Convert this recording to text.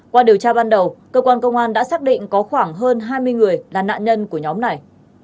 qua điều tra ban đầu cơ quan công an đã xác định có khoảng hơn hai mươi người là nạn nhân của nhóm này